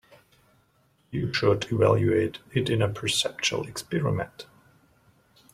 You should evaluate it in a perceptual experiment.